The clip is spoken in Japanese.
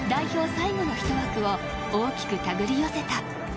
最後の１枠を大きく手繰り寄せた。